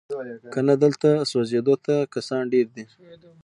کنه دلته سوځېدو ته کسان ډیر دي